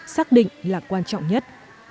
xác định là quan trọng nhất